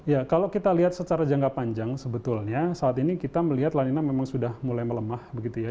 ya kalau kita lihat secara jangka panjang sebetulnya saat ini kita melihat lanina memang sudah mulai melemah begitu ya